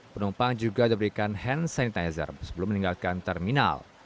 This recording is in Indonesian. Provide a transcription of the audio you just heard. penumpang juga diberikan hand sanitizer sebelum meninggalkan terminal